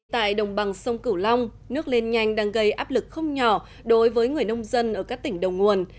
tại đồng bằng sông cửu long nước lên nhanh đang gây áp lực không nhỏ đối với người nông dân ở các tỉnh đầu nguồn